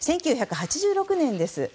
１９８６年です。